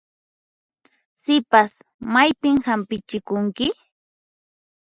Sipas, maypin hampichikunki?